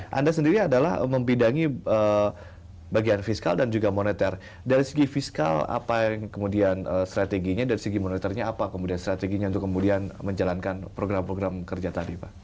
nah anda sendiri adalah mempidangi bagian fiskal dan juga moneter dari segi fiskal apa yang kemudian strateginya dari segi monitornya apa kemudian strateginya untuk kemudian menjalankan program program kerja tadi pak